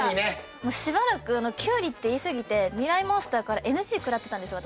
もうしばらくキュウリって言い過ぎて『ミライ☆モンスター』からＮＧ食らってたんですよ